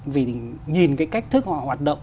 vì nhìn cái cách thức họ hoạt động